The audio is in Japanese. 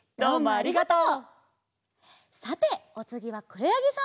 ありがとう！